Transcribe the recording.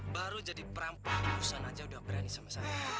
baru jadi perampokan aja udah berani sama saya